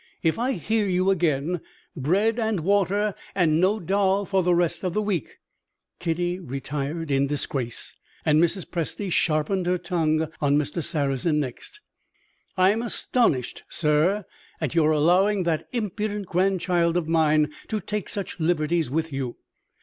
If I hear you again, bread and water and no doll for the rest of the week." Kitty retired in disgrace, and Mrs. Presty sharpened her tongue on Mr. Sarrazin next. "I'm astonished, sir, at your allowing that impudent grandchild of mine to take such liberties with you.